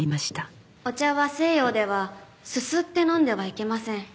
お茶は西洋ではすすって飲んではいけません。